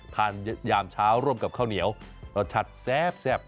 ยามเช้าร่วมกับข้าวเหนียวรสชาติแซ่บ